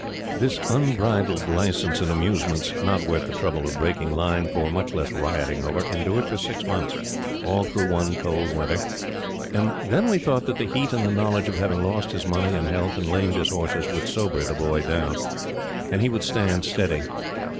This unbridled license in amusements not worth the trouble of breaking line for, much less rioting over, endured for six months all through one cold weather and then we thought that the heat and the knowledge of having lost his money and health and lamed his horses would sober The Boy down, and he would stand steady.